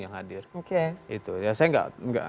yang hadir oke saya